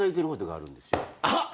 あっ！